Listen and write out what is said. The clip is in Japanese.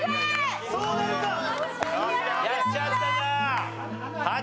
やっちゃった。